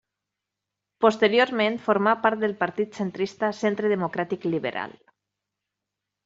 Posteriorment formà part del partit centrista Centre Democràtic Liberal.